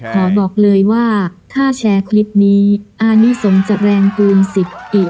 ขอบอกเลยว่าถ้าแชร์คลิปนี้อันนี้สมจะแรงกูลสิบ